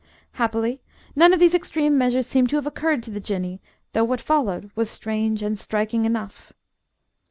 Happily none of these extreme measures seemed to have occurred to the Jinnee, though what followed was strange and striking enough.